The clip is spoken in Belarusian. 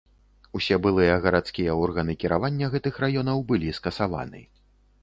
Усе былыя гарадскія органы кіравання гэтых раёнаў былі скасаваны.